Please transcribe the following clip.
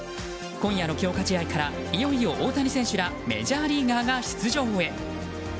今夜の強化試合からいよいよ大谷選手らメジャーリーガーが出場へ。